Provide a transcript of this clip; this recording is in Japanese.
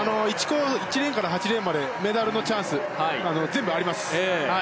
１レーンから８レーンまでメダルのチャンスが全部あります。